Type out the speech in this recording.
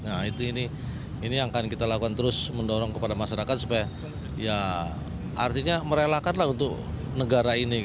nah ini yang akan kita lakukan terus mendorong kepada masyarakat supaya ya artinya merelakan lah untuk negara ini